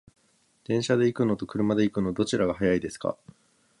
電車で行くのと車で行くの、どちらが早いですか？